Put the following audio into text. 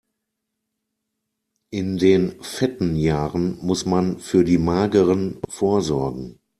In den fetten Jahren muss man für die mageren vorsorgen.